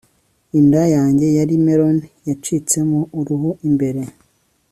inda yanjye yari melon yacitsemo uruhu imbere